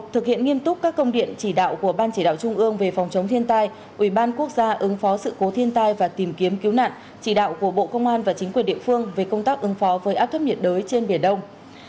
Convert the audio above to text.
thực hiện nghiêm túc các công điện chỉ đạo của ban chỉ đạo trung ương về phòng chống thiên tai ubnd ứng phó sự cố thiên tai và tìm kiếm cứu nạn chỉ đạo của bộ công an và chính quyền địa phương về công tác ứng phó với áp thấp nhiệt đới trên biển đông